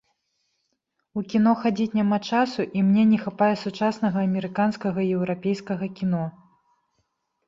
У кіно хадзіць няма часу, і мне не хапае сучаснага амерыканскага і еўрапейскага кіно.